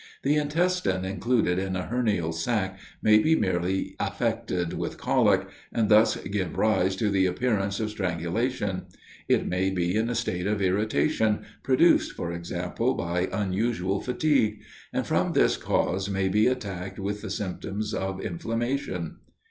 The intestine included in a hernial sac, may be merely affected with colic, and thus give rise to the appearance of strangulation. It may be in a state of irritation, produced, for example, by unusual fatigue; and from this cause, may be attacked with the symptoms of inflammation.